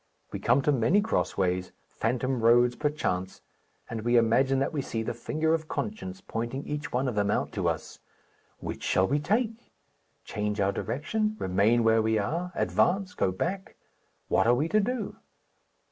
We come to many cross ways, phantom roads perchance, and we imagine that we see the finger of conscience pointing each one of them out to us. Which shall we take? Change our direction, remain where we are, advance, go back? What are we to do?